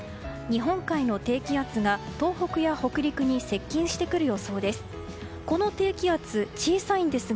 日本海の低気圧が東北や北陸に接近してくる予想です。